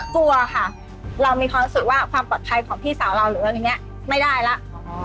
กลัวค่ะเรามีความรู้สึกว่าความปลอดภัยของพี่สาวเราหรืออะไรอย่างนี้ไม่ได้แล้ว